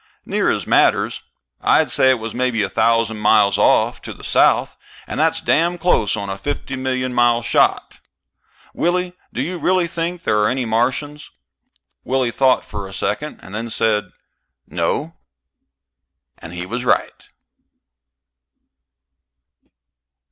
"Near as matters. I'd say it was maybe a thousand miles off, to the south. And that's damn close on a fifty million mile shot. Willie, do you really think there are any Martians?" Willie thought a second and then said, "No." He was right.